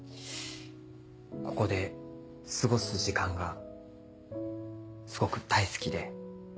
ここで過ごす時間がすごく大好きで。